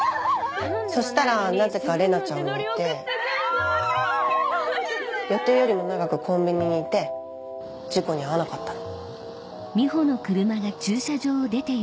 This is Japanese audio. そしたらなぜか玲奈ちゃんもいて予定よりも長くコンビニにいて事故に遭わなかったの。